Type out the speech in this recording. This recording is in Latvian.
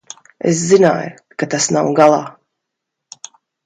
Es zināju, ka tas nav galā.